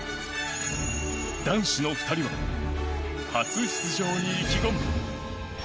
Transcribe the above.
男子の２人は初出場に意気込む。